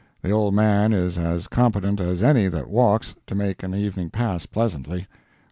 The old man is as competent as any that walks, to make an evening pass pleasantly.